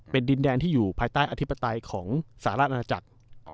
เป็นดินแดนที่อยู่ภายใต้อธิปไตยของสหราชอาณาจักร